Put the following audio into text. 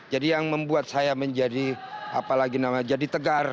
jadi yang membuat saya menjadi apalagi namanya jadi tegar